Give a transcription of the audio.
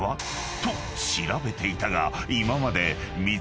［と調べていたが］